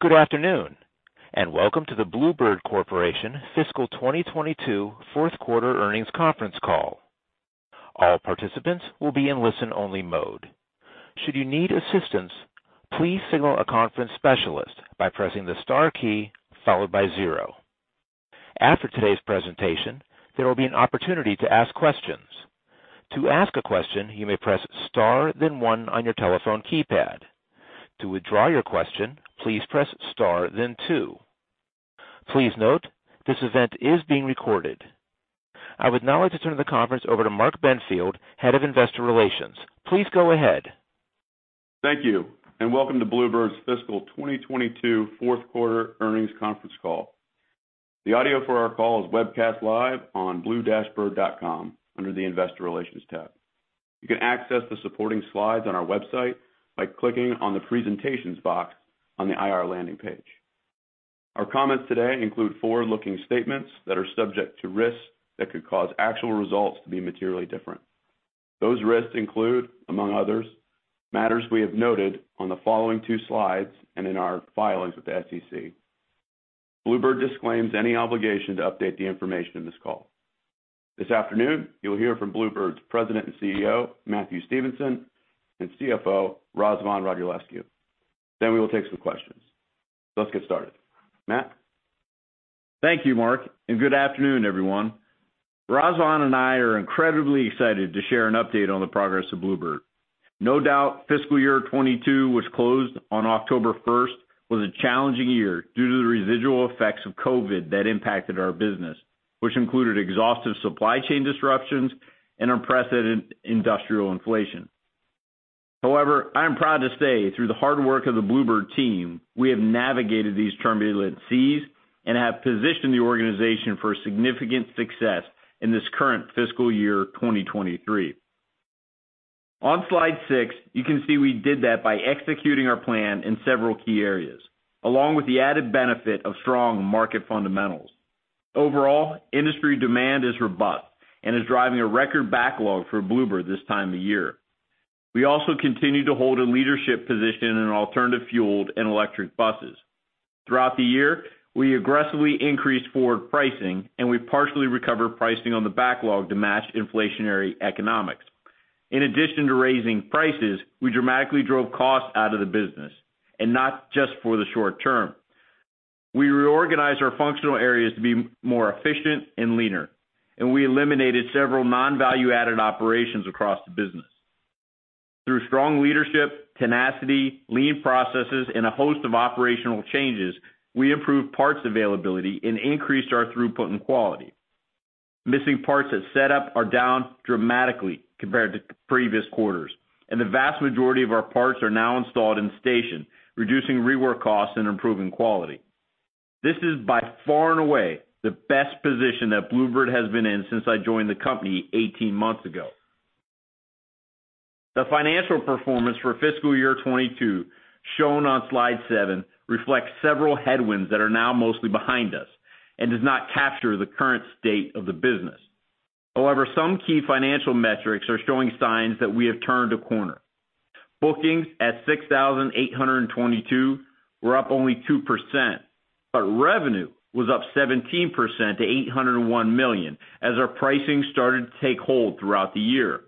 Good afternoon, and welcome to the Blue Bird Corporation Fiscal 2022 Fourth Quarter Earnings Conference Call. All participants will be in listen-only mode. Should you need assistance, please signal a conference specialist by pressing the star key followed by zero. After today's presentation, there will be an opportunity to ask questions. To ask a question, you may press star then one on your telephone keypad. To withdraw your question, please press star then two. Please note, this event is being recorded. I would now like to turn the conference over to Mark Benfield, Head of Investor Relations. Please go ahead. Thank you. Welcome to Blue Bird's Fiscal 2022 Fourth Quarter Earnings Conference Call. The audio for our call is webcast live on blue-bird.com under the Investor Relations tab. You can access the supporting slides on our website by clicking on the Presentations box on the IR landing page. Our comments today include forward-looking statements that are subject to risks that could cause actual results to be materially different. Those risks include, among others, matters we have noted on the following two slides and in our filings with the SEC. Blue Bird disclaims any obligation to update the information in this call. This afternoon, you will hear from Blue Bird's President and CEO, Matthew Stevenson, and CFO, Razvan Radulescu. We will take some questions. Let's get started. Matt? Thank you, Mark. Good afternoon, everyone. Razvan and I are incredibly excited to share an update on the progress of Blue Bird. No doubt, fiscal year 2022, which closed on October 1st, was a challenging year due to the residual effects of COVID that impacted our business, which included exhaustive supply chain disruptions and unprecedented industrial inflation. I am proud to say, through the hard work of the Blue Bird team, we have navigated these turbulent seas and have positioned the organization for significant success in this current fiscal year 2023. On Slide six, you can see we did that by executing our plan in several key areas, along with the added benefit of strong market fundamentals. Industry demand is robust and is driving a record backlog for Blue Bird this time of year. We also continue to hold a leadership position in alternative fueled and electric buses. Throughout the year, we aggressively increased forward pricing, we partially recovered pricing on the backlog to match inflationary economics. In addition to raising prices, we dramatically drove costs out of the business, not just for the short term. We reorganized our functional areas to be more efficient and leaner, we eliminated several non-value-added operations across the business. Through strong leadership, tenacity, lean processes, and a host of operational changes, we improved parts availability and increased our throughput and quality. Missing parts at set up are down dramatically compared to previous quarters, the vast majority of our parts are now installed in station, reducing rework costs and improving quality. This is by far and away the best position that Blue Bird has been in since I joined the company 18 months ago. The financial performance for fiscal year 2022, shown on Slide seven, reflects several headwinds that are now mostly behind us and does not capture the current state of the business. Some key financial metrics are showing signs that we have turned a corner. Bookings at 6,822 were up only 2%. Revenue was up 17% to $801 million as our pricing started to take hold throughout the year.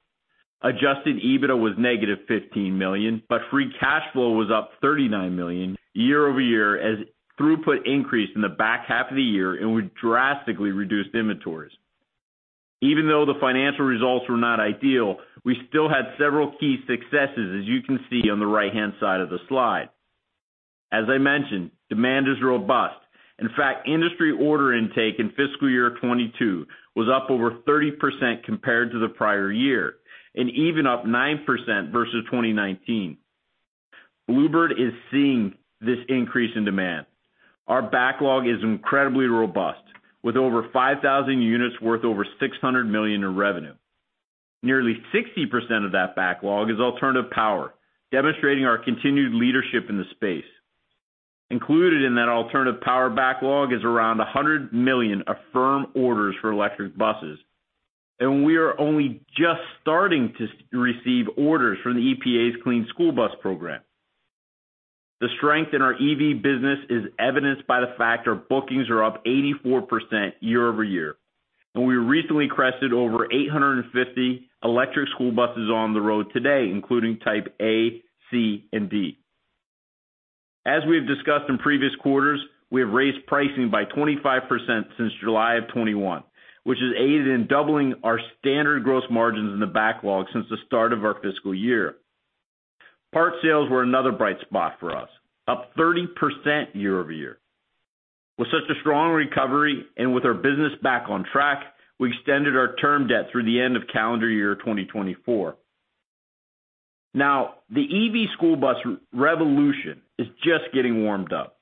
Adjusted EBITDA was -$15 million. Free cash flow was up $39 million year-over-year as throughput increased in the back half of the year and we drastically reduced inventories. The financial results were not ideal, we still had several key successes, as you can see on the right-hand side of the slide. As I mentioned, demand is robust. In fact, industry order intake in fiscal year 2022 was up over 30% compared to the prior year, even up 9% versus 2019. Blue Bird is seeing this increase in demand. Our backlog is incredibly robust, with over 5,000 units worth over $600 million in revenue. Nearly 60% of that backlog is alternative power, demonstrating our continued leadership in the space. Included in that alternative power backlog is around $100 million of firm orders for electric buses. We are only just starting to receive orders from the EPA's Clean School Bus Program. The strength in our EV business is evidenced by the fact our bookings are up 84% year-over-year. We recently crested over 850 electric school buses on the road today, including Type A, C and D. As we have discussed in previous quarters, we have raised pricing by 25% since July of 2021, which has aided in doubling our standard gross margins in the backlog since the start of our fiscal year. Part sales were another bright spot for us. Up 30% year-over-year. With such a strong recovery and with our business back on track, we extended our term debt through the end of calendar year 2024. The EV school bus revolution is just getting warmed up.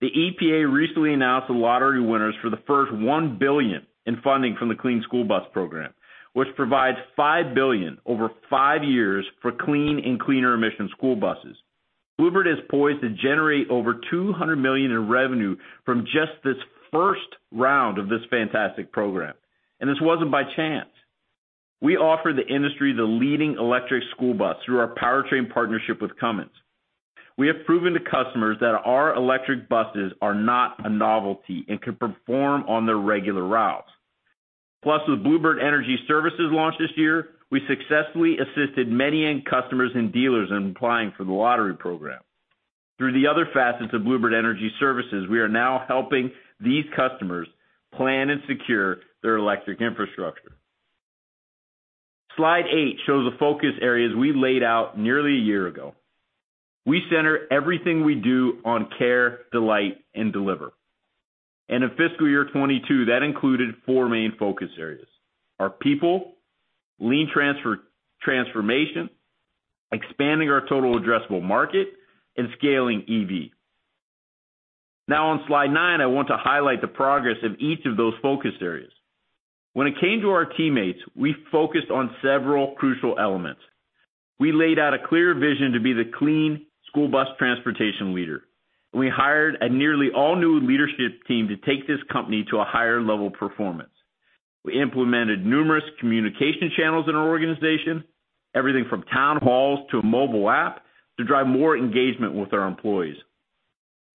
The EPA recently announced the lottery winners for the first $1 billion in funding from the Clean School Bus Program, which provides $5 billion over five years for clean and cleaner emission school buses. Blue Bird is poised to generate over $200 million in revenue from just this first round of this fantastic program. This wasn't by chance. We offer the industry the leading electric school bus through our powertrain partnership with Cummins. We have proven to customers that our electric buses are not a novelty and can perform on their regular routes. With Blue Bird Energy Services launch this year, we successfully assisted many end customers and dealers in applying for the lottery program. Through the other facets of Blue Bird Energy Services, we are now helping these customers plan and secure their electric infrastructure. Slide eight shows the focus areas we laid out nearly a year ago. We center everything we do on care, delight, and deliver. In fiscal year 2022, that included four main focus areas, our people, lean transfer-transformation, expanding our total addressable market, and scaling EV. On Slide nine, I want to highlight the progress of each of those focus areas. When it came to our teammates, we focused on several crucial elements. We laid out a clear vision to be the clean school bus transportation leader. We hired a nearly all-new leadership team to take this company to a higher level of performance. We implemented numerous communication channels in our organization, everything from town halls to a mobile app, to drive more engagement with our employees.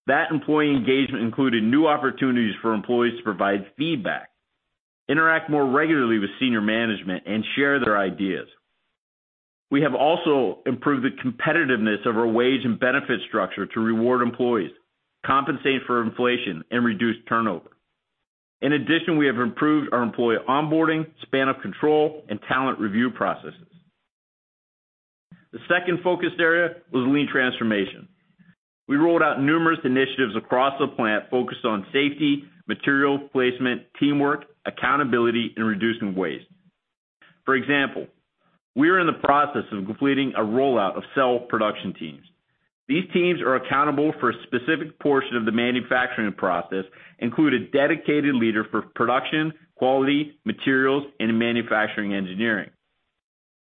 That employee engagement included new opportunities for employees to provide feedback, interact more regularly with senior management, and share their ideas. We have also improved the competitiveness of our wage and benefit structure to reward employees, compensate for inflation, and reduce turnover. In addition, we have improved our employee onboarding, span of control, and talent review processes. The second focus area was lean transformation. We rolled out numerous initiatives across the plant focused on safety, material placement, teamwork, accountability, and reducing waste. For example, we are in the process of completing a rollout of cell production teams. These teams are accountable for a specific portion of the manufacturing process, include a dedicated leader for production, quality, materials, and manufacturing engineering.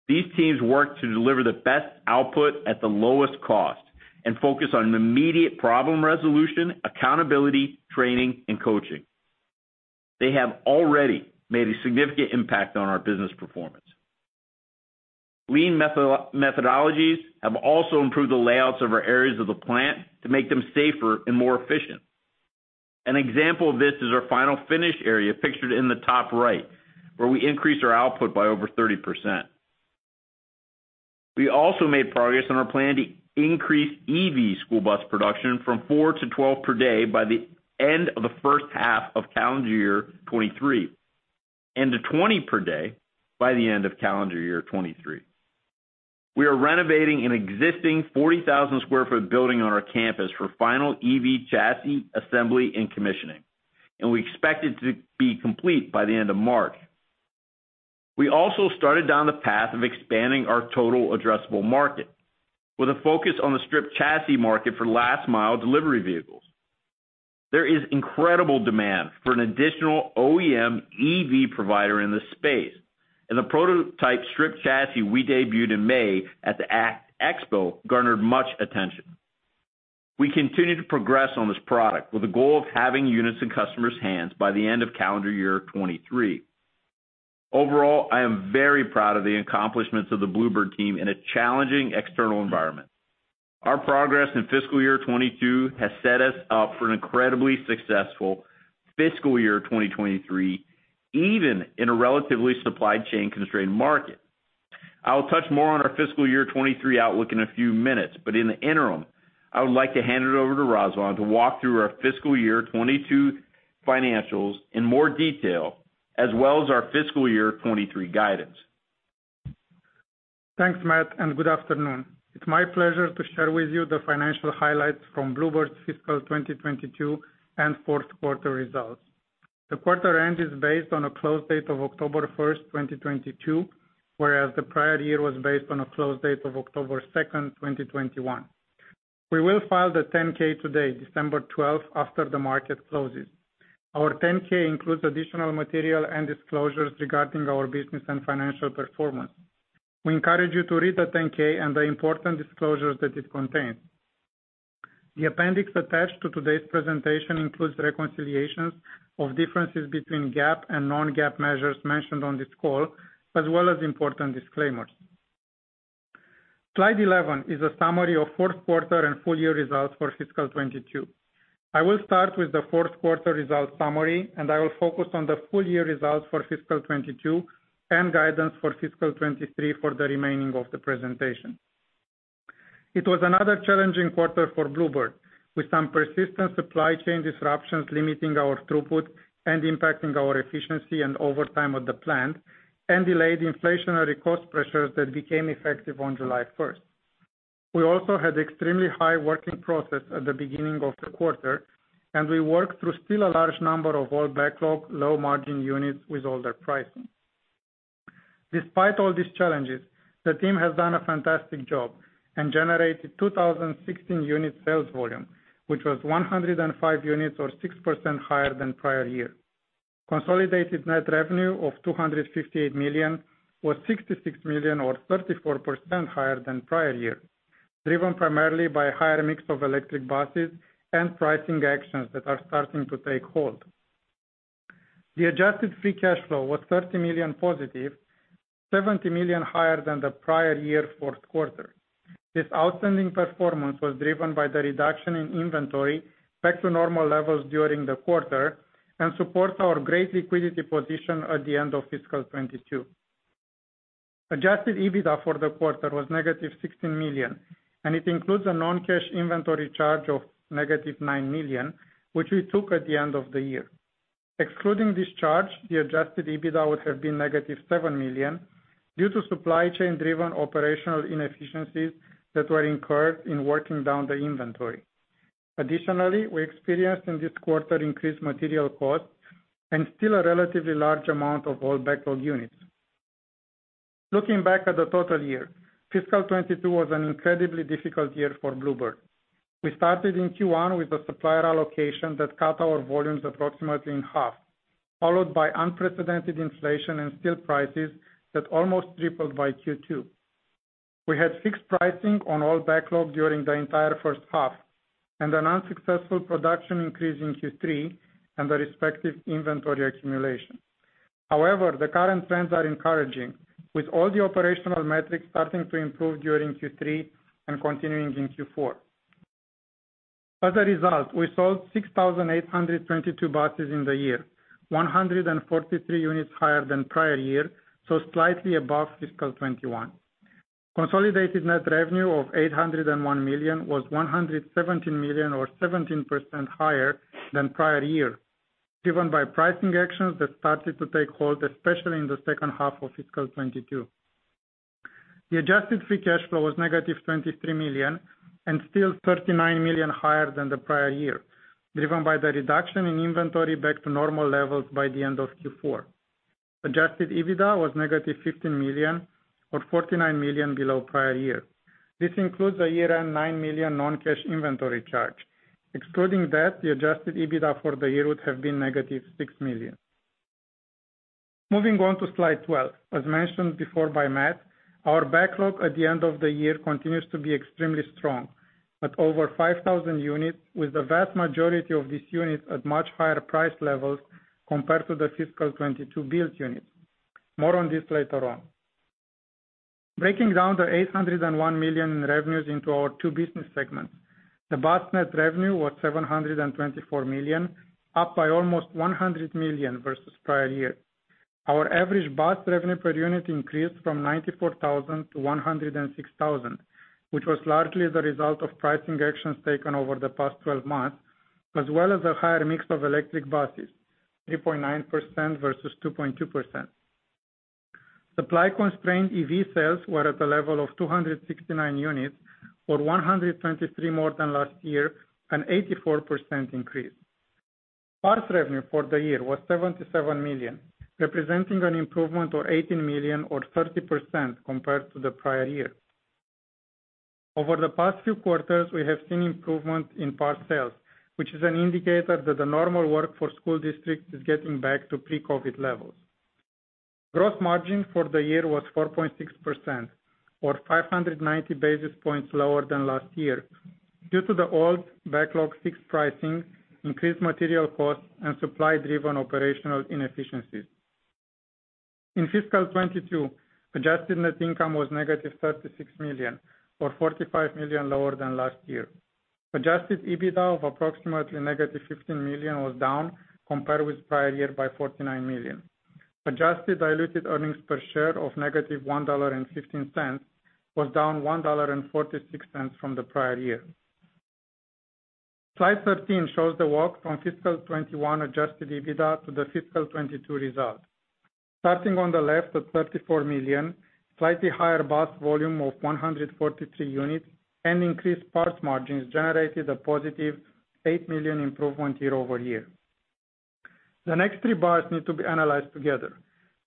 These teams work to deliver the best output at the lowest cost and focus on immediate problem resolution, accountability, training, and coaching. They have already made a significant impact on our business performance. Lean methodologies have also improved the layouts of our areas of the plant to make them safer and more efficient. An example of this is our final finish area pictured in the top right, where we increased our output by over 30%. We also made progress on our plan to increase EV school bus production from four to 12 per day by the end of the first half of calendar year 2023, and to 20 per day by the end of calendar year 2023. We are renovating an existing 40,000 sq ft building on our campus for final EV chassis assembly and commissioning, we expect it to be complete by the end of March. We also started down the path of expanding our total addressable market with a focus on the strip chassis market for last mile delivery vehicles. There is incredible demand for an additional OEM EV provider in this space. The prototype strip chassis we debuted in May at the ACT Expo garnered much attention. We continue to progress on this product with the goal of having units in customers' hands by the end of calendar year 2023. Overall, I am very proud of the accomplishments of the Blue Bird team in a challenging external environment. Our progress in fiscal year 2022 has set us up for an incredibly successful fiscal year 2023, even in a relatively supply chain constrained market. I'll touch more on our fiscal year 2023 outlook in a few minutes, but in the interim, I would like to hand it over to Razvan to walk through our fiscal year 2022 financials in more detail as well as our fiscal year 2023 guidance. Thanks, Matt, and good afternoon. It's my pleasure to share with you the financial highlights from Blue Bird's fiscal 2022 and fourth quarter results. The quarter end is based on a close date of October 1st, 2022, whereas the prior year was based on a close date of October 2nd, 2021. We will file the 10-K today, December 12th, after the market closes. Our 10-K includes additional material and disclosures regarding our business and financial performance. We encourage you to read the 10-K and the important disclosures that it contains. The appendix attached to today's presentation includes reconciliations of differences between GAAP and non-GAAP measures mentioned on this call, as well as important disclaimers. Slide 11 is a summary of fourth quarter and full year results for fiscal 2022. I will start with the fourth quarter results summary, and I will focus on the full year results for fiscal 2022 and guidance for fiscal 2023 for the remaining of the presentation. It was another challenging quarter for Blue Bird, with some persistent supply chain disruptions limiting our throughput and impacting our efficiency and overtime at the plant and delayed inflationary cost pressures that became effective on July 1st. We also had extremely high working process at the beginning of the quarter, and we worked through still a large number of old backlog, low margin units with older pricing. Despite all these challenges, the team has done a fantastic job and generated 2,016 unit sales volume, which was 105 units or 6% higher than prior year. Consolidated net revenue of $258 million was $66 million or 34% higher than prior year. Driven primarily by higher mix of electric buses and pricing actions that are starting to take hold. The Adjusted Free Cash Flow was $30 million positive, $70 million higher than the prior year fourth quarter. This outstanding performance was driven by the reduction in inventory back to normal levels during the quarter and supports our great liquidity position at the end of fiscal 2022. Adjusted EBITDA for the quarter was -$16 million, and it includes a non-cash inventory charge of -$9 million, which we took at the end of the year. Excluding this charge, the Adjusted EBITDA would have been -$7 million due to supply chain-driven operational inefficiencies that were incurred in working down the inventory. We experienced in this quarter increased material costs and still a relatively large amount of old backlog units. Looking back at the total year, fiscal 2022 was an incredibly difficult year for Blue Bird. We started in Q1 with a supplier allocation that cut our volumes approximately in half, followed by unprecedented inflation and steel prices that almost tripled by Q2. We had fixed pricing on all backlog during the entire first half and an unsuccessful production increase in Q3 and the respective inventory accumulation. The current trends are encouraging with all the operational metrics starting to improve during Q3 and continuing in Q4. We sold 6,822 buses in the year, 143 units higher than prior year, slightly above fiscal 2021. Consolidated net revenue of $801 million was $117 million or 17% higher than prior year, driven by pricing actions that started to take hold, especially in the second half of fiscal 2022. Adjusted Free Cash Flow was -$23 million and still $39 million higher than the prior year, driven by the reduction in inventory back to normal levels by the end of Q4. Adjusted EBITDA was -$15 million or $49 million below prior year. This includes a year-end $9 million non-cash inventory charge. Excluding that, the Adjusted EBITDA for the year would have been -$6 million. Moving on to Slide 12. As mentioned before by Matt, our backlog at the end of the year continues to be extremely strong at over 5,000 units, with the vast majority of these units at much higher price levels compared to the fiscal 2022 built units. More on this later on. Breaking down the $801 million in revenues into our two business segments, the bus net revenue was $724 million, up by almost $100 million versus prior year. Our average bus revenue per unit increased from $94,000-$106,000, which was largely the result of pricing actions taken over the past 12 months, as well as a higher mix of electric buses, 3.9% versus 2.2%. Supply constrained EV sales were at the level of 269 units or 123 more than last year, an 84% increase. Parts revenue for the year was $77 million, representing an improvement of $80 million or 30% compared to the prior year. Over the past few quarters, we have seen improvement in parts sales, which is an indicator that the normal work for school districts is getting back to pre-COVID levels. Gross margin for the year was 4.6% or 590 basis points lower than last year due to the old backlog fixed pricing, increased material costs, and supply-driven operational inefficiencies. In fiscal 2022, adjusted net income was -$36 million or $45 million lower than last year. Adjusted EBITDA of approximately -$15 million was down compared with prior year by $49 million. Adjusted Diluted Earnings per Share of -$1.15 was down $1.46 from the prior year. Slide 13 shows the walk from fiscal 2021 Adjusted EBITDA to the fiscal 2022 results. Starting on the left at $34 million, slightly higher bus volume of 143 units and increased parts margins generated a +$8 million improvement year-over-year. The next three bars need to be analyzed together.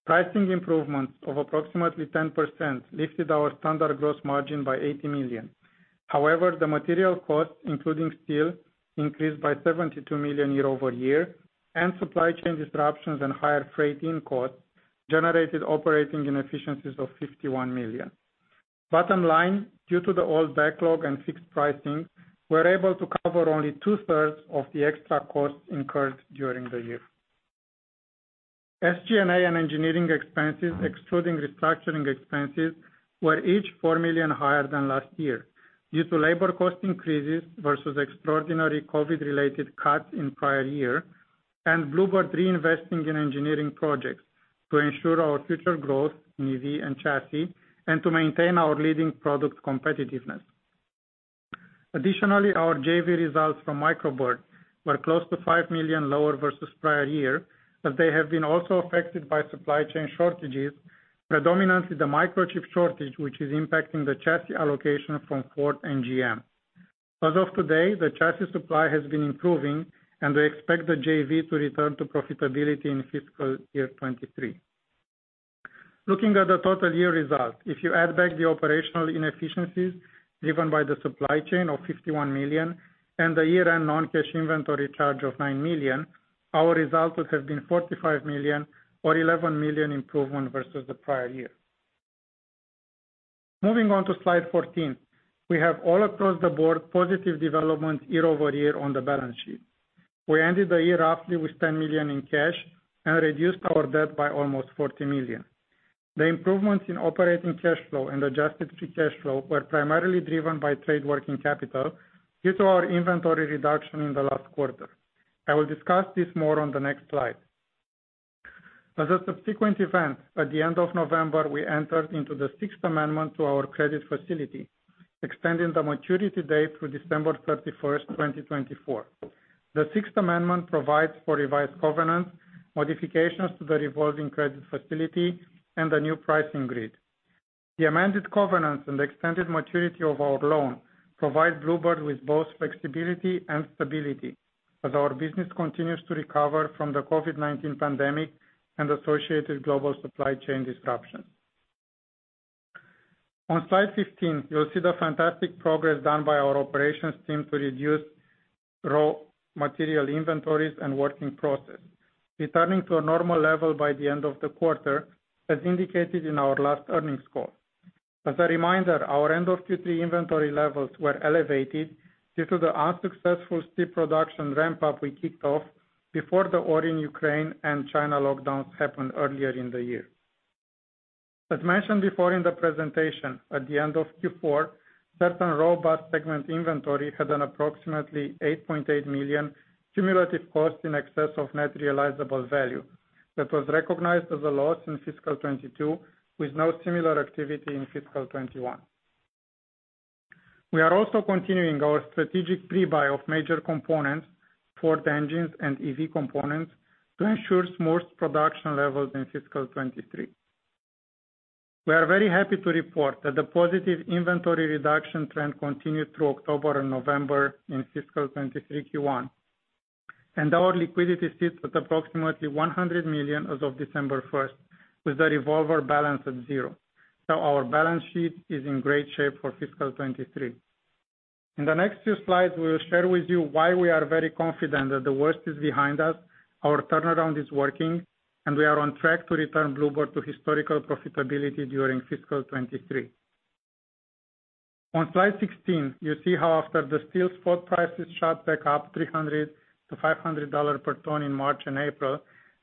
Pricing improvements of approximately 10% lifted our standard gross margin by $80 million. The material costs, including steel, increased by $72 million year-over-year, and supply chain disruptions and higher freight in costs generated operating inefficiencies of $51 million. Bottom line, due to the old backlog and fixed pricing, we're able to cover only 2/3 of the extra costs incurred during the year. SG&A and engineering expenses, excluding restructuring expenses, were each $4 million higher than last year due to labor cost increases versus extraordinary COVID-related cuts in prior year and Blue Bird reinvesting in engineering projects to ensure our future growth in EV and chassis and to maintain our leading product competitiveness. Our JV results from Micro Bird were close to $5 million lower versus prior year, as they have been also affected by supply chain shortages, predominantly the microchip shortage, which is impacting the chassis allocation from Ford and GM. As of today, the chassis supply has been improving, and we expect the JV to return to profitability in fiscal year 2023. Looking at the total year results, if you add back the operational inefficiencies driven by the supply chain of $51 million and the year-end non-cash inventory charge of $9 million. Our results would have been $45 million or $11 million improvement versus the prior year. Moving on to Slide 14. We have all across the board positive developments year-over-year on the balance sheet. We ended the year roughly with $10 million in cash and reduced our debt by almost $40 million. The improvements in operating cash flow and Adjusted Free Cash Flow were primarily driven by trade working capital due to our inventory reduction in the last quarter. I will discuss this more on the next slide. As a subsequent event, at the end of November, we entered into the Sixth Amendment to our credit facility, extending the maturity date to December 31st, 2024. The Sixth Amendment provides for revised covenants, modifications to the revolving credit facility, and a new pricing grid. The amended covenants and the extended maturity of our loan provide Blue Bird with both flexibility and stability as our business continues to recover from the COVID-19 pandemic and associated global supply chain disruptions. On Slide 15, you'll see the fantastic progress done by our operations team to reduce raw material inventories and working process, returning to a normal level by the end of the quarter, as indicated in our last earnings call. As a reminder, our end of Q3 inventory levels were elevated due to the unsuccessful steep production ramp-up we kicked off before the war in Ukraine and China lockdowns happened earlier in the year. As mentioned before in the presentation, at the end of Q4, certain Bus segment inventory had an approximately $8.8 million cumulative cost in excess of net realizable value that was recognized as a loss in fiscal 2022, with no similar activity in fiscal 2021. We are also continuing our strategic pre-buy of major components for engines and EV components to ensure smooth production levels in fiscal 2023. We are very happy to report that the positive inventory reduction trend continued through October and November in fiscal 2023 Q1. Our liquidity sits at approximately $100 million as of December 1st, with the revolver balance at zero. Our balance sheet is in great shape for fiscal 2023. In the next few slides, we will share with you why we are very confident that the worst is behind us, our turnaround is working, and we are on track to return Blue Bird to historical profitability during fiscal 2023. On Slide 16, you see how after the steel spot prices shot back up $300-$500 per ton in March and April,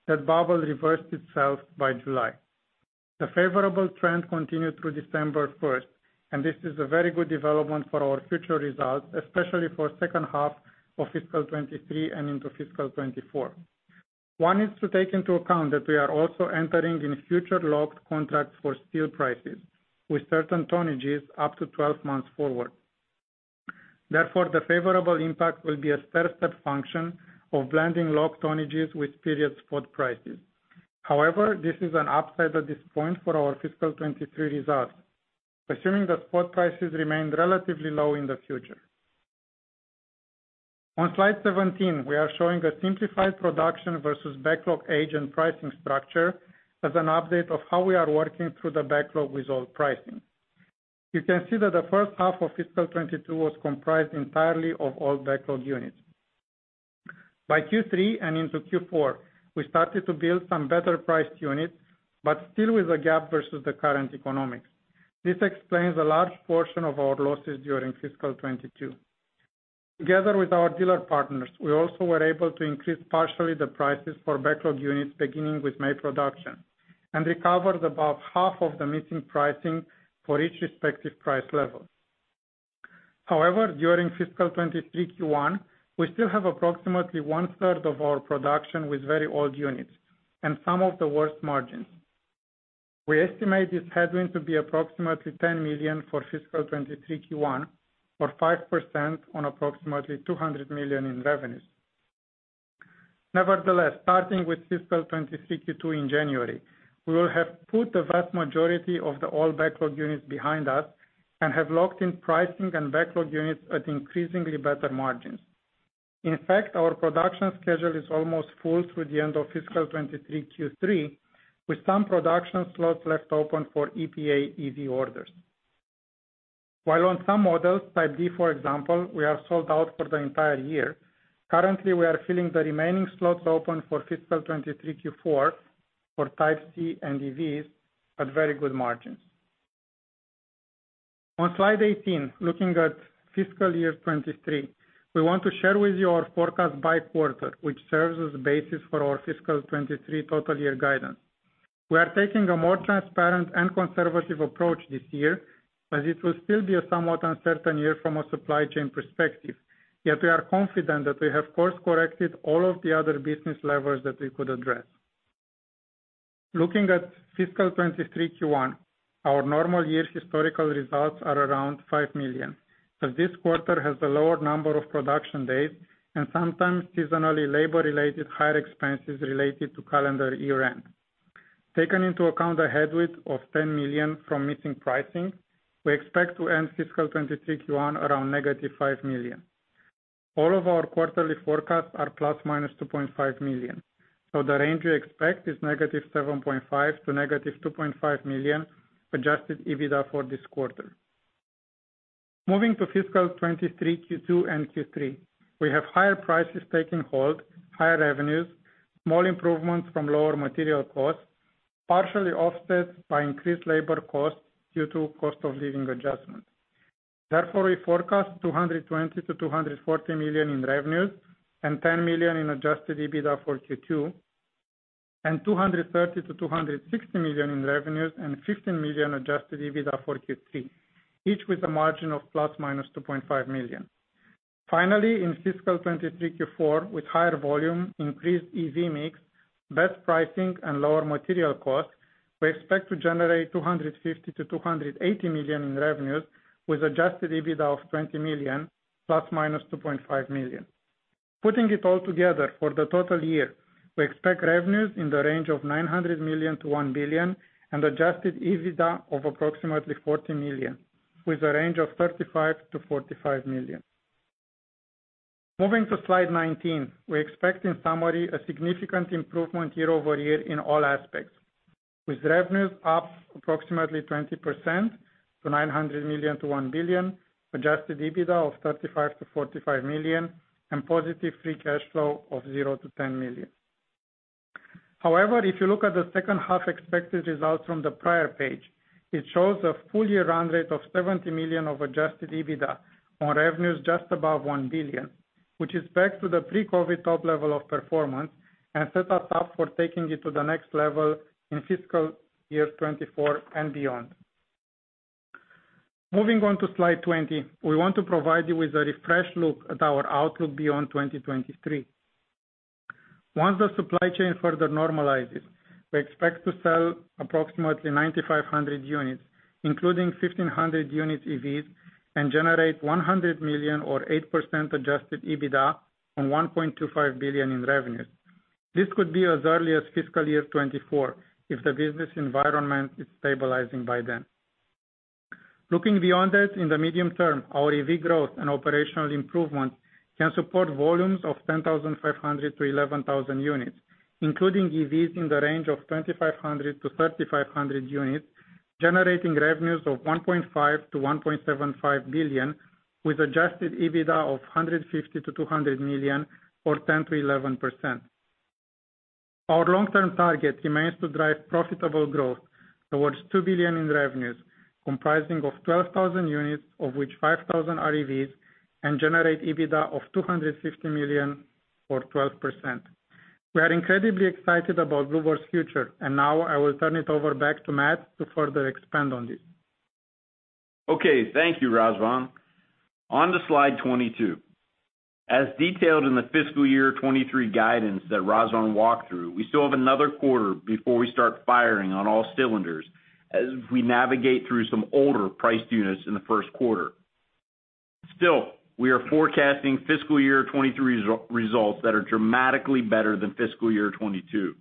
that bubble reversed itself by July. The favorable trend continued through December 1st. This is a very good development for our future results, especially for second half of fiscal 2023 and into fiscal 2024. One is to take into account that we are also entering in future locked contracts for steel prices with certain tonnages up to 12 months forward. Therefore, the favorable impact will be a steady state function of blending locked tonnages with period spot prices. This is an upside at this point for our fiscal 2023 results, assuming that spot prices remain relatively low in the future. On Slide 17, we are showing a simplified production versus backlog age and pricing structure as an update of how we are working through the backlog with old pricing. You can see that the first half of fiscal 2022 was comprised entirely of old backlog units. By Q3 and into Q4, we started to build some better priced units, but still with a gap versus the current economics. This explains a large portion of our losses during fiscal 2022. Together with our dealer partners, we also were able to increase partially the prices for backlog units beginning with May production, and recovered about half of the missing pricing for each respective price level. However, during fiscal 2023 Q1, we still have approximately one-third of our production with very old units and some of the worst margins. We estimate this headwind to be approximately $10 million for fiscal 2023 Q1, or 5% on approximately $200 million in revenues. Nevertheless, starting with fiscal 2023 Q2 in January, we will have put the vast majority of the old backlog units behind us and have locked in pricing and backlog units at increasingly better margins. In fact, our production schedule is almost full through the end of fiscal 2023 Q3, with some production slots left open for EPA EasyOrder. While on some models, Type D, for example, we are sold out for the entire year. Currently, we are filling the remaining slots open for fiscal 2023 Q4 for Type C and EVs at very good margins. On Slide 18, looking at fiscal year 2023, we want to share with you our forecast by quarter, which serves as basis for our fiscal 2023 total year guidance. We are taking a more transparent and conservative approach this year, as it will still be a somewhat uncertain year from a supply chain perspective. We are confident that we have course-corrected all of the other business levers that we could address. Looking at fiscal 2023 Q1, our normal year historical results are around $5 million. This quarter has a lower number of production days and sometimes seasonally labor-related higher expenses related to calendar year-end. Taken into account the headwind of $10 million from missing pricing, we expect to end fiscal 2023 Q1 around -$5 million. All of our quarterly forecasts are ±$2.5 million. The range we expect is -$7.5 million to -$2.5 million Adjusted EBITDA for this quarter. Moving to fiscal 2023, Q2 and Q3, we have higher prices taking hold, higher revenues, small improvements from lower material costs, partially offset by increased labor costs due to cost of living adjustment. We forecast $220 million-$240 million in revenues and $10 million in Adjusted EBITDA for Q2, and $230 million-$260 million in revenues and $15 million Adjusted EBITDA for Q3, each with a margin of ±$2.5 million. Finally, in fiscal 2023 Q4, with higher volume, increased EV mix, best pricing, and lower material costs, we expect to generate $250 million-$280 million in revenues with Adjusted EBITDA of $20 million ±$2.5 million. Putting it all together for the total year, we expect revenues in the range of $900 million-$1 billion and Adjusted EBITDA of approximately $40 million, with a range of $35 million-$45 million. Moving to Slide 19, we expect in summary a significant improvement year-over-year in all aspects, with revenues up approximately 20% to $900 million-$1 billion, Adjusted EBITDA of $35 million-$45 million and positive free cash flow of $0-$10 million. However, if you look at the second half expected results from the prior page, it shows a full year run rate of $70 million of Adjusted EBITDA on revenues just above $1 billion, which is back to the pre-COVID top level of performance and sets us up for taking it to the next level in fiscal year 2024 and beyond. Moving on to Slide 20, we want to provide you with a refresh look at our outlook beyond 2023. Once the supply chain further normalizes, we expect to sell approximately 9,500 units, including 1,500 units EVs, and generate $100 million or 8% Adjusted EBITDA on $1.25 billion in revenues. This could be as early as fiscal year 2024 if the business environment is stabilizing by then. Looking beyond it, in the medium term, our EV growth and operational improvement can support volumes of 10,500-11,000 units, including EVs in the range of 2,500-3,500 units, generating revenues of $1.5 billion-$1.75 billion with Adjusted EBITDA of $150 million-$200 million or 10%-11%. Our long-term target remains to drive profitable growth towards $2 billion in revenues, comprising of 12,000 units of which 5,000 are EVs and generate EBITDA of $250 million or 12%. We are incredibly excited about Blue Bird's future, now I will turn it over back to Matt to further expand on this. Thank you, Razvan. On to Slide 22. As detailed in the fiscal year 2023 guidance that Razvan walked through, we still have another quarter before we start firing on all cylinders as we navigate through some older priced units in the first quarter. We are forecasting fiscal year 2023 results that are dramatically better than fiscal year 2022.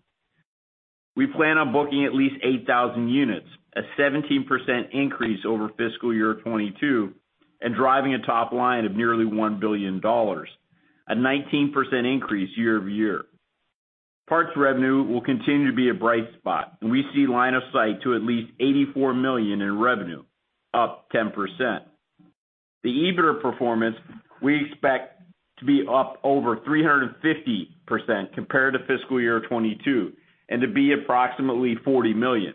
We plan on booking at least 8,000 units, a 17% increase over fiscal year 2022 and driving a top line of nearly $1 billion, a 19% increase year-over-year. Parts revenue will continue to be a bright spot. We see line of sight to at least $84 million in revenue, up 10%. The EBITDA performance we expect to be up over 350% compared to fiscal year 2022 and to be approximately $40 million.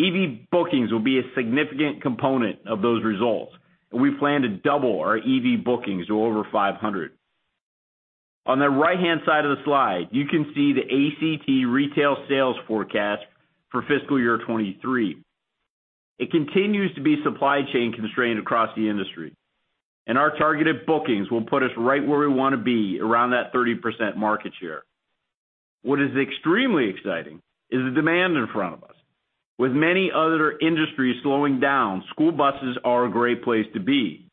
EV bookings will be a significant component of those results. We plan to double our EV bookings to over 500. On the right-hand side of the slide, you can see the ACT retail sales forecast for fiscal year 2023. It continues to be supply chain constrained across the industry. Our targeted bookings will put us right where we wanna be around that 30% market share. What is extremely exciting is the demand in front of us. With many other industries slowing down, school buses are a great place to be.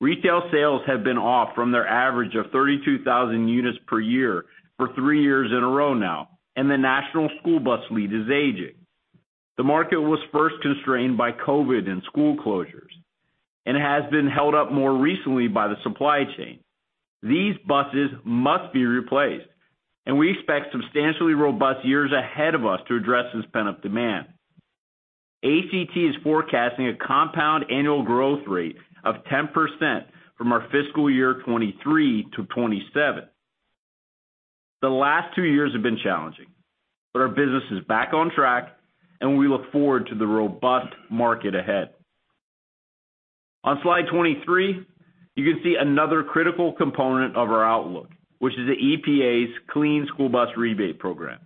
Retail sales have been off from their average of 32,000 units per year for three years in a row now. The national school bus fleet is aging. The market was first constrained by COVID and school closures and has been held up more recently by the supply chain. These buses must be replaced. We expect substantially robust years ahead of us to address this pent-up demand. ACT is forecasting a compound annual growth rate of 10% from our fiscal year 2023-2027. The last two years have been challenging. Our business is back on track, and we look forward to the robust market ahead. On Slide 23, you can see another critical component of our outlook, which is the EPA's Clean School Bus Rebate Program.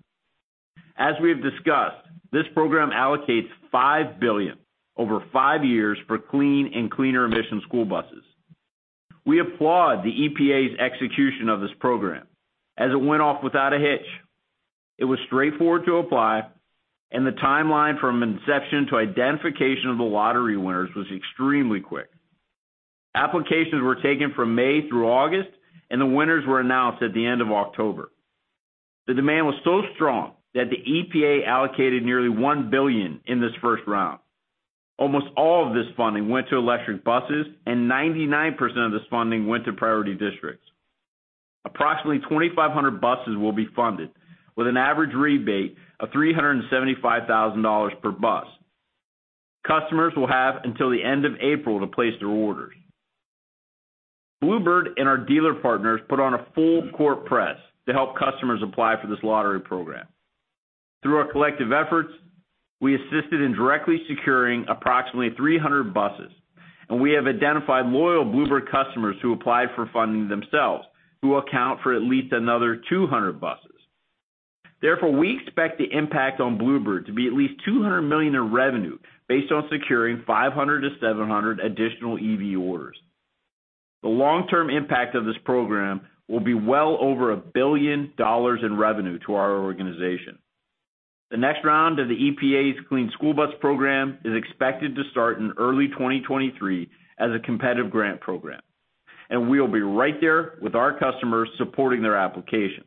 As we have discussed, this program allocates $5 billion over five years for clean and cleaner emission school buses. We applaud the EPA's execution of this program as it went off without a hitch. It was straightforward to apply, and the timeline from inception to identification of the lottery winners was extremely quick. Applications were taken from May through August, and the winners were announced at the end of October. The demand was so strong that the EPA allocated nearly $1 billion in this first round. Almost all of this funding went to electric buses, and 99% of this funding went to priority districts. Approximately 2,500 buses will be funded with an average rebate of $375,000 per bus. Customers will have until the end of April to place their orders. Blue Bird and our dealer partners put on a full court press to help customers apply for this lottery program. Through our collective efforts, we assisted in directly securing approximately 300 buses, and we have identified loyal Blue Bird customers who applied for funding themselves, who account for at least another 200 buses. Therefore, we expect the impact on Blue Bird to be at least $200 million in revenue based on securing 500-700 additional EV orders. The long-term impact of this program will be well over $1 billion in revenue to our organization. The next round of the EPA's Clean School Bus program is expected to start in early 2023 as a competitive grant program, we will be right there with our customers supporting their applications.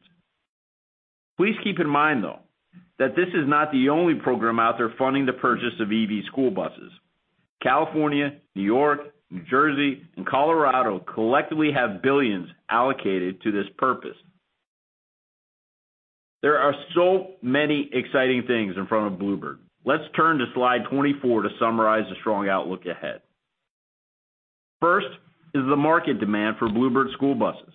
Please keep in mind, though, that this is not the only program out there funding the purchase of EV school buses. California, New York, New Jersey, and Colorado collectively have billions allocated to this purpose. There are so many exciting things in front of Blue Bird. Let's turn to Slide 24 to summarize the strong outlook ahead. First is the market demand for Blue Bird school buses.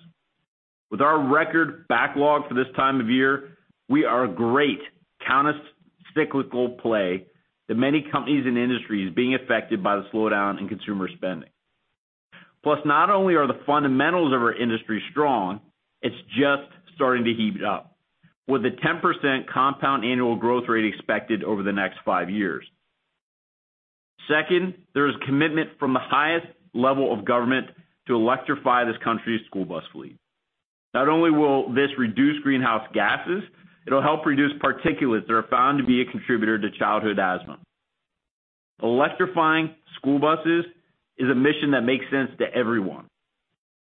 With our record backlog for this time of year, we are a great countercyclical play to many companies and industries being affected by the slowdown in consumer spending. Not only are the fundamentals of our industry strong, it's just starting to heat up, with a 10% compound annual growth rate expected over the next five years. Second, there is commitment from the highest level of government to electrify this country's school bus fleet. Not only will this reduce greenhouse gases, it'll help reduce particulates that are found to be a contributor to childhood asthma. Electrifying school buses is a mission that makes sense to everyone,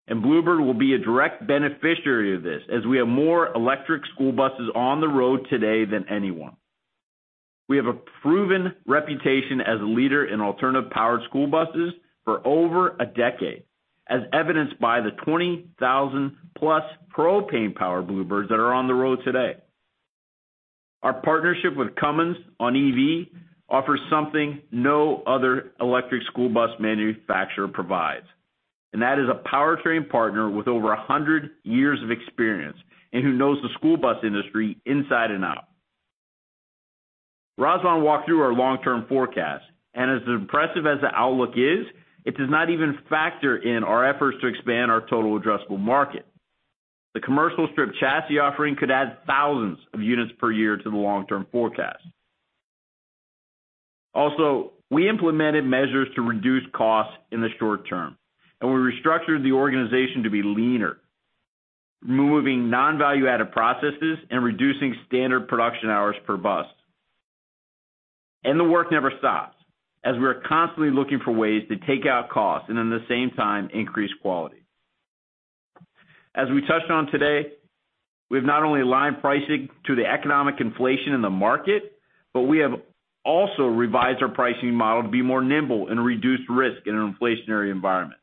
and Blue Bird will be a direct beneficiary of this as we have more electric school buses on the road today than anyone. We have a proven reputation as a leader in alternative powered school buses for over a decade, as evidenced by the 20,000+ propane powered Blue Birds that are on the road today. Our partnership with Cummins on EV offers something no other electric school bus manufacturer provides, and that is a powertrain partner with over 100 years of experience and who knows the school bus industry inside and out. Razvan walked through our long-term forecast, and as impressive as the outlook is, it does not even factor in our efforts to expand our total addressable market. The commercial strip chassis offering could add thousands of units per year to the long-term forecast. Also, we implemented measures to reduce costs in the short term, and we restructured the organization to be leaner, removing non-value-added processes and reducing standard production hours per bus. The work never stops, as we are constantly looking for ways to take out costs and at the same time increase quality. We've not only aligned pricing to the economic inflation in the market, but we have also revised our pricing model to be more nimble and reduce risk in an inflationary environment.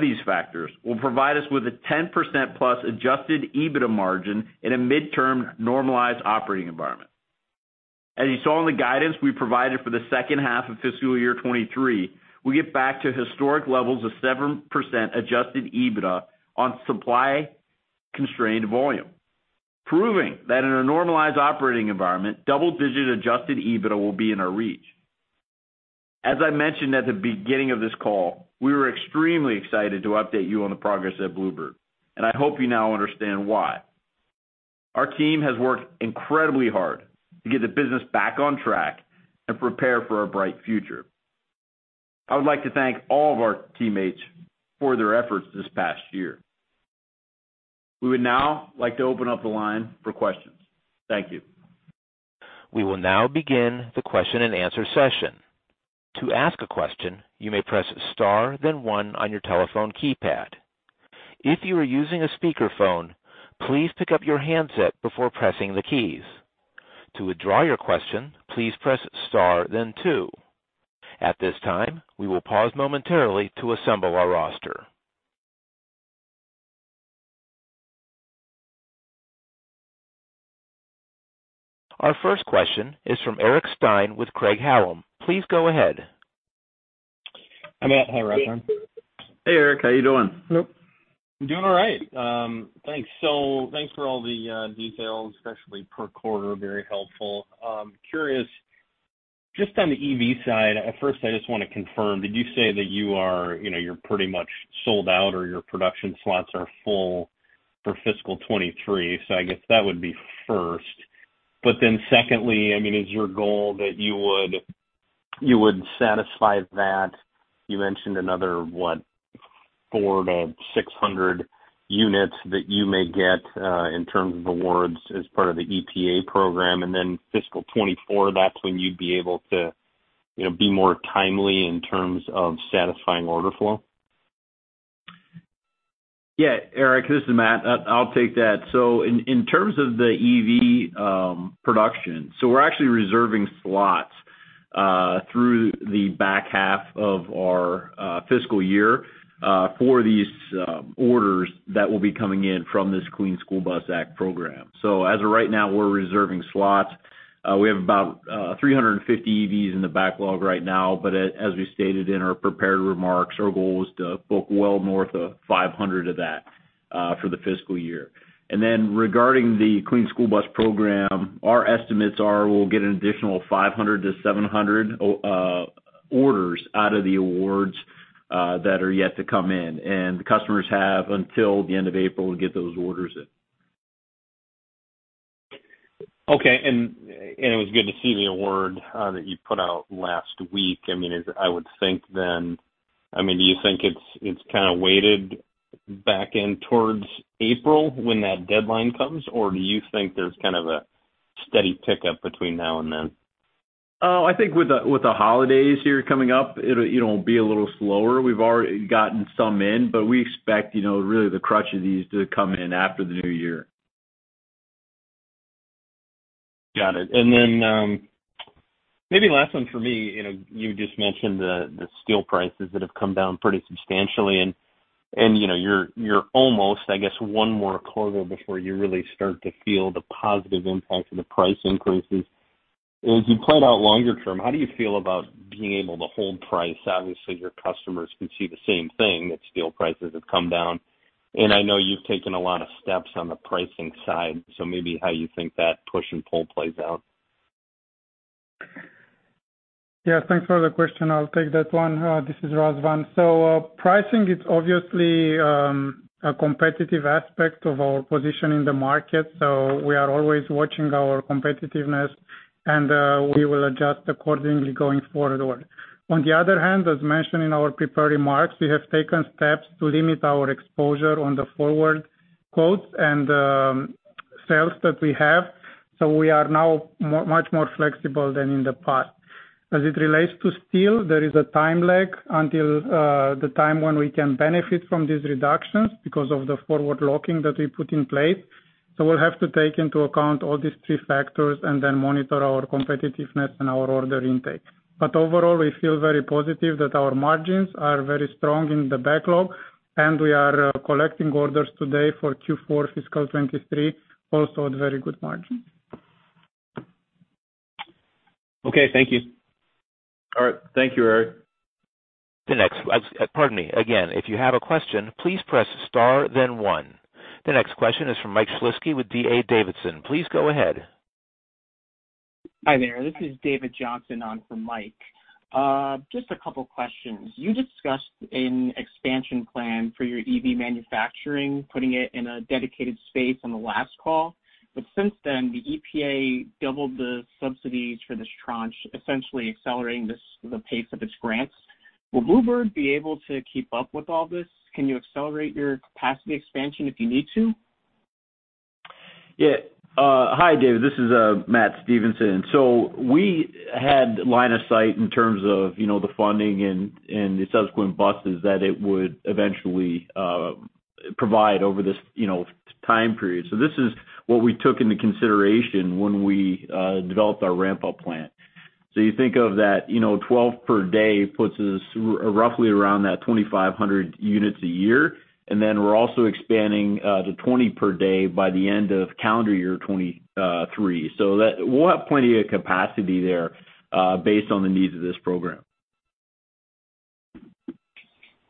These factors will provide us with a 10%+ Adjusted EBITDA margin in a midterm normalized operating environment. You saw in the guidance we provided for the second half of fiscal year 2023, we get back to historic levels of 7% Adjusted EBITDA on supply-constrained volume, proving that in a normalized operating environment, double-digit Adjusted EBITDA will be in our reach. As I mentioned at the beginning of this call, we were extremely excited to update you on the progress at Blue Bird. I hope you now understand why. Our team has worked incredibly hard to get the business back on track and prepare for a bright future. I would like to thank all of our teammates for their efforts this past year. We would now like to open up the line for questions. Thank you. We will now begin the question-and-answer session. To ask a question, you may press star then one on your telephone keypad. If you are using a speakerphone, please pick up your handset before pressing the keys. To withdraw your question, please press star then two. At this time, we will pause momentarily to assemble our roster. Our first question is from Eric Stine with Craig-Hallum. Please go ahead. Hi, Matt. Hey, Razvan. Hey, Eric, how you doing? I'm doing all right. Thanks. Thanks for all the details, especially per quarter. Very helpful. Curious, just on the EV side, at first, I just want to confirm, did you say that you are, you know, you're pretty much sold out or your production slots are full for fiscal 2023? I guess that would be first. Secondly, I mean, is your goal that you would satisfy that you mentioned another, what, 400-600 units that you may get in terms of awards as part of the EPA program and then fiscal 2024, that's when you'd be able to, you know, be more timely in terms of satisfying order flow? Eric, this is Matt. I'll take that. In terms of the EV production, we're actually reserving slots through the back half of our fiscal year for these orders that will be coming in from this Clean School Bus Act program. As of right now, we're reserving slots. We have about 350 EVs in the backlog right now, but as we stated in our prepared remarks, our goal is to book well north of 500 of that for the fiscal year. Regarding the Clean School Bus Program, our estimates are we'll get an additional 500-700 orders out of the awards that are yet to come in. The customers have until the end of April to get those orders in. Okay. It was good to see the award, that you put out last week. I mean, as I would think then, I mean, do you think it's kind of weighted back in towards April when that deadline comes? Do you think there's kind of a steady pickup between now and then? I think with the holidays here coming up, it'll, you know, be a little slower. We've already gotten some in. We expect, you know, really the crutch of these to come in after the new year. Got it. Maybe last one for me. You know, you just mentioned the steel prices that have come down pretty substantially and, you know, you're almost, I guess, one more quarter before you really start to feel the positive impact of the price increases. As you plan out longer term, how do you feel about being able to hold price? Obviously, your customers can see the same thing, that steel prices have come down, I know you've taken a lot of steps on the pricing side, maybe how you think that push and pull plays out? Yeah. Thanks for the question. I'll take that one. This is Razvan. Pricing is obviously a competitive aspect of our position in the market, so we are always watching our competitiveness and we will adjust accordingly going forward. On the other hand, as mentioned in our prepared remarks, we have taken steps to limit our exposure on the forward quotes and sales that we have, so we are now much more flexible than in the past. As it relates to steel, there is a time lag until the time when we can benefit from these reductions because of the forward-looking that we put in place. We'll have to take into account all these three factors and then monitor our competitiveness and our order intake. Overall, we feel very positive that our margins are very strong in the backlog, and we are collecting orders today for Q4 fiscal 2023, also at very good margin. Okay, thank you. All right. Thank you, Eric. Pardon me. Again, if you have a question, please press star then one. The next question is from Mike Shlisky with D.A. Davidson. Please go ahead. Hi there. This is David Johnson on for Mike. Just a couple questions. You discussed an expansion plan for your EV manufacturing, putting it in a dedicated space on the last call. Since then, the EPA doubled the subsidies for this tranche, essentially accelerating this, the pace of its grants. Will Blue Bird be able to keep up with all this? Can you accelerate your capacity expansion if you need to? Yeah. Hi, Dave, this is Matt Stevenson. We had line of sight in terms of, you know, the funding and the subsequent buses that it would eventually provide over this, you know, time period. This is what we took into consideration when we developed our ramp-up plan. You think of that, you know, 12 per day puts us roughly around that 2,500 units a year. Then we're also expanding to 20 per day by the end of calendar year 2023. That. We'll have plenty of capacity there, based on the needs of this program.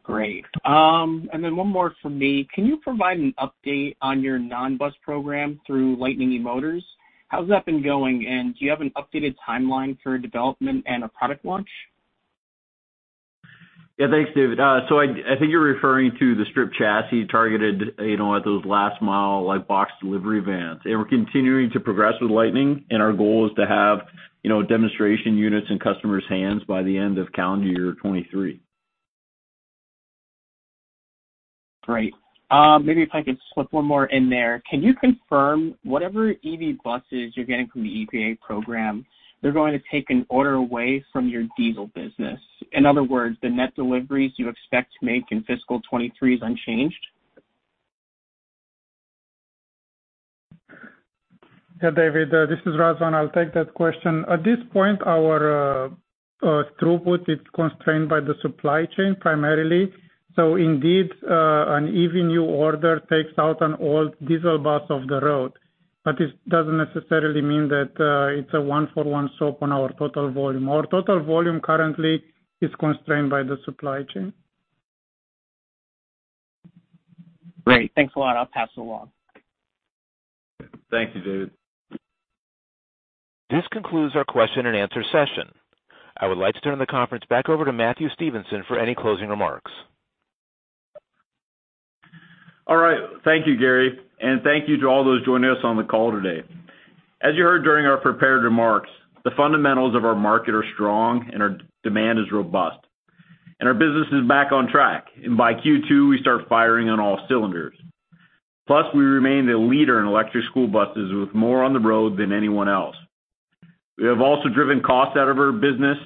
Great. One more from me. Can you provide an update on your non-bus program through Lightning eMotors? How's that been going? Do you have an updated timeline for development and a product launch? Yeah. Thanks, Dave. I think you're referring to the strip chassis targeted, you know, at those last mile, like box delivery vans. We're continuing to progress with Lightning, and our goal is to have, you know, demonstration units in customers' hands by the end of calendar year 2023. Great. Maybe if I could slip one more in there. Can you confirm whatever EV buses you're getting from the EPA program, they're going to take an order away from your diesel business? In other words, the net deliveries you expect to make in fiscal 2023 is unchanged? Yeah, David, this is Razvan. I'll take that question. At this point, our throughput is constrained by the supply chain primarily. Indeed, an EV new order takes out an old diesel bus off the road. It doesn't necessarily mean that it's a one for one swap on our total volume. Our total volume currently is constrained by the supply chain. Great. Thanks a lot. I'll pass it along. Thank you, David. This concludes our question and answer session. I would like to turn the conference back over to Matthew Stevenson for any closing remarks. All right. Thank you, Gary, and thank you to all those joining us on the call today. As you heard during our prepared remarks, the fundamentals of our market are strong, and our demand is robust, and our business is back on track. By Q2, we start firing on all cylinders. Plus, we remain the leader in electric school buses with more on the road than anyone else. We have also driven costs out of our business,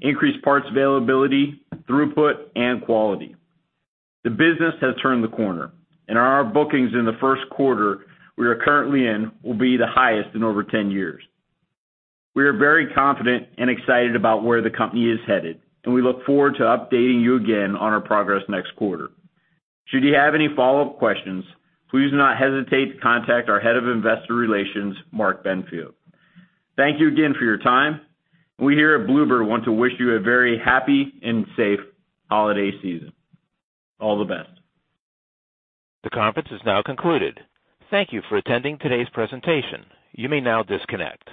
increased parts availability, throughput, and quality. The business has turned the corner, and our bookings in the first quarter we are currently in will be the highest in over 10 years. We are very confident and excited about where the company is headed, and we look forward to updating you again on our progress next quarter. Should you have any follow-up questions, please do not hesitate to contact our Head of Investor Relations, Mark Benfield. Thank you again for your time. We here at Blue Bird want to wish you a very happy and safe holiday season. All the best. The conference is now concluded. Thank you for attending today's presentation. You may now disconnect.